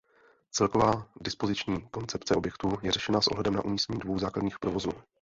Celková dispoziční koncepce objektu je řešena s ohledem na umístění dvou základních provozů.